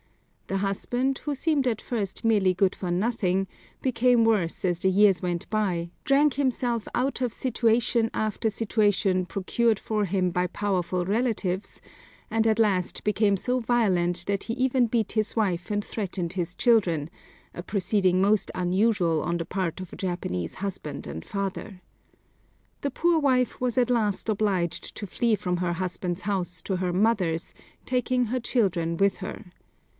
The husband, who seemed at first merely good for nothing, became worse as the years went by, drank himself out of situation after situation procured for him by powerful relatives, and at last became so violent that he even beat his wife and threatened his children, a proceeding most unusual on the part of a Japanese husband and father. The poor wife was at last obliged to flee from her husband's house to her mother's, taking her children with her.